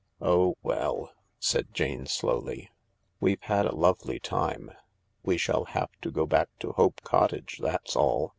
" Oh well," said Jane slowly, " we've had a lovely time. We shall have to go back to Hope Cottage, that's all.